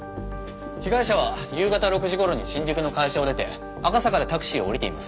被害者は夕方６時頃に新宿の会社を出て赤坂でタクシーを降りています。